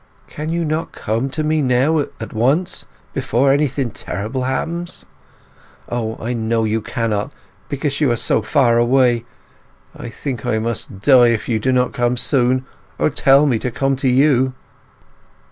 Can you not come to me now, at once, before anything terrible happens? O, I know you cannot, because you are so far away! I think I must die if you do not come soon, or tell me to come to you.